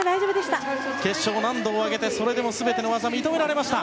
決勝、難度を上げてそれでも全ての技が認められました。